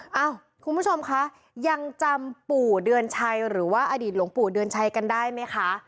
เอ้าคุณผู้ชมคะยังจำปู่เดือนชัยหรือว่าอดีตหลวงปู่เดือนชัยกันได้ไหมคะ